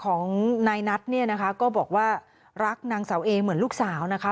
ของนายนัทเนี่ยนะคะก็บอกว่ารักนางเสาเอเหมือนลูกสาวนะคะ